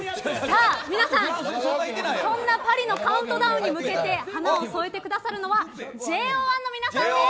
皆さん、そんなパリのカウントダウンに向けて花を添えてくださるのはＪＯ１の皆さんです。